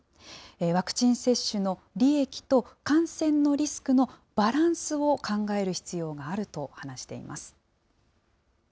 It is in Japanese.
ワクチン接種の利益と感染のリスクのバランスを考える必要があると話しています。